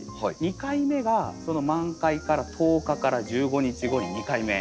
２回目が満開から１０日から１５日後に２回目。